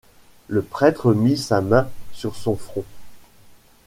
Le prêtre mit sa main sur son front.